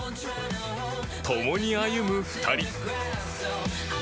共に歩む２人。